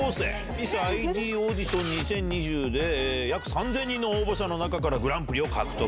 ミスｉＤオーディション２０２０で約３０００人の応募者の中から、グランプリを獲得。